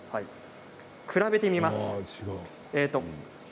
比べてみます。